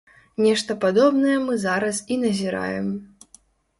Нешта падобнае мы зараз і назіраем.